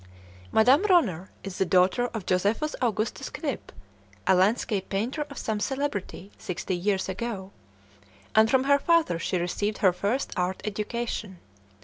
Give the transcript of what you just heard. Madame Ronner is the daughter of Josephus Augustus Knip, a landscape painter of some celebrity sixty years ago, and from her father she received her first art education.